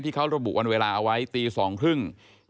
ที่เขาระบุวันเวลาเอาไว้ตีสองครึ่ง